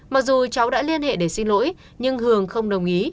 mặc dù cháu đã liên hệ để xin lỗi nhưng hường không đồng ý